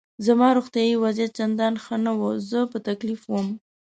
زما روغتیایي وضعیت چندان ښه نه و، زه په تکلیف وم.